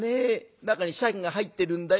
中にシャケが入ってるんだよ。